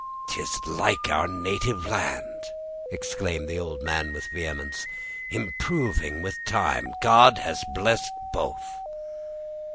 "'Tis like our native land!" exclaimed the old man with vehemence, "improving with time; God has blessed both."